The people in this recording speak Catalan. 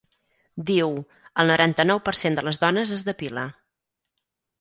Diu: El noranta-nou per cent de les dones es depila.